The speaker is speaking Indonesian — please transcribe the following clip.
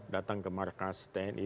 datang ke markas tni